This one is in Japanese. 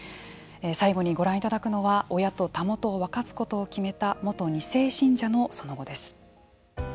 最後にご覧いただくのは親とたもとを分かつことを決めた元２世信者のその後です。